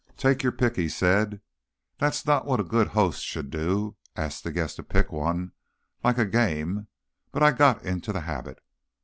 "Take your pick," he said. "That's not what a good host should do, ask the guest to pick one, like a game; but I got into the habit.